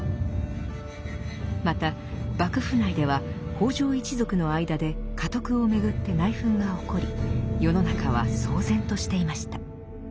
また幕府内では北条一族の間で家督をめぐって内紛が起こり世の中は騒然としていました。